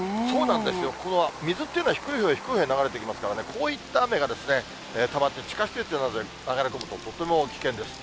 水っていうのは、低いほうへ、低いほうへ流れていきますからね、こういった雨がたまって、地下施設などへ流れ込むと、とても危険です。